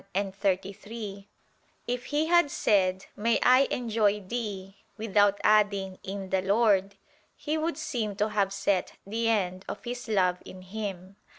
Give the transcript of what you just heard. i, 33), "if he had said, 'May I enjoy thee,' without adding 'in the Lord,' he would seem to have set the end of his love in him.